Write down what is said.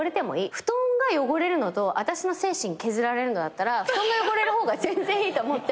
布団が汚れるのと私の精神削られるのだったら布団が汚れる方が全然いいと思って。